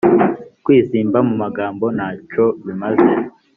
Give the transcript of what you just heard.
kwizimba mu magambo ntaco bimaze